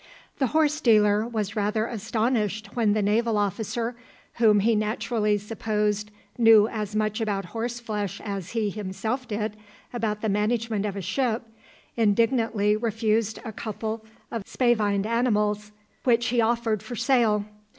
The horse dealer was rather astonished when the naval officer, whom he naturally supposed knew as much about horse flesh as he himself did about the management of a ship, indignantly refused a couple of spavined animals which he offered for sale.